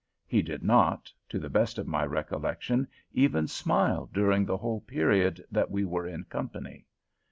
He did not, to the best of my recollection, even smile during the whole period that we were in company.